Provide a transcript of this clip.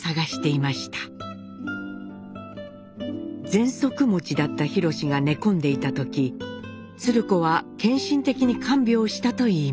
ぜんそく持ちだった廣が寝込んでいた時鶴子は献身的に看病したといいます。